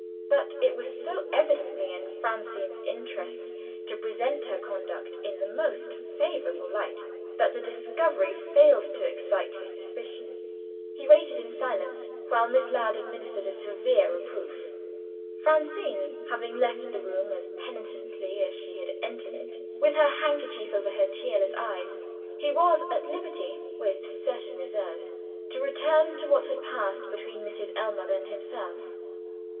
But it was so evidently in Francine's interests to present her conduct in the most favorable light, that the discovery failed to excite his suspicion. He waited in silence, while Miss Ladd administered a severe reproof. Francine having left the room, as penitently as she had entered it (with her handkerchief over her tearless eyes), he was at liberty, with certain reserves, to return to what had passed between Mrs. Ellmother and himself.